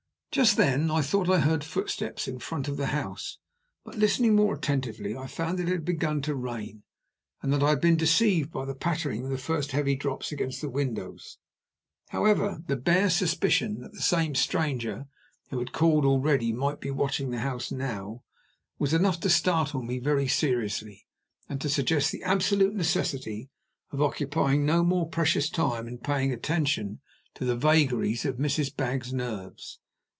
Just then I thought I heard footsteps in front of the house, but, listening more attentively, found that it had begun to rain, and that I had been deceived by the pattering of the first heavy drops against the windows. However, the bare suspicion that the same stranger who had called already might be watching the house now, was enough to startle me very seriously, and to suggest the absolute necessity of occupying no more precious time in paying attention to the vagaries of Mrs. Baggs' nerves.